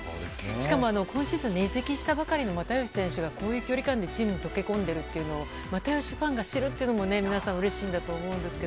しかも今シーズン移籍したばかりの又吉選手がこういう距離感でチームに溶け込めていることを又吉ファンが知るっていうのも皆さん、うれしいと思います。